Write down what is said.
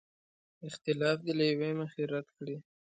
اختلاف دې له یوې مخې رد کړي.